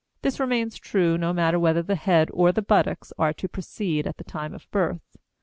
This remains true no matter whether the head or the buttocks are to precede at the time of birth.